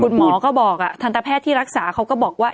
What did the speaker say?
คุณหมอก็บอกทันตแพทย์ที่รักษาเขาก็บอกว่า